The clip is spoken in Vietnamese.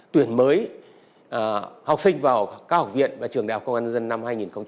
tuyển mới học sinh vào cao học viện và trường đại học công an dân năm hai nghìn hai mươi